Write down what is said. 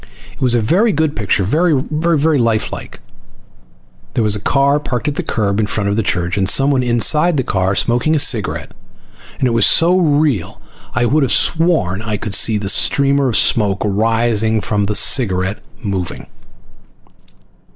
It was a very good picture. Very lifelike. There was a car parked at the curb in front of the church, and someone inside the car smoking a cigarette, and it was so real I would have sworn I could see the streamer of smoke rising from the cigarette moving.